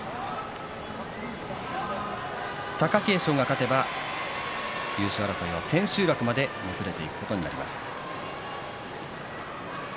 貴景勝が勝てば優勝争いは千秋楽までもつれていくことになります。